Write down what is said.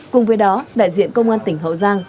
cùng với đó đại diện công an tỉnh hậu giang